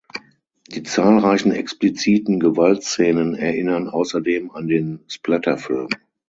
Die zahlreichen expliziten Gewaltszenen erinnern außerdem an den Splatterfilm.